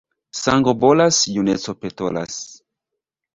Sango bolas, juneco petolas.